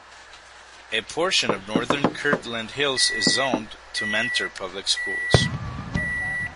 A portion of northern Kirtland Hills is zoned to Mentor Public Schools.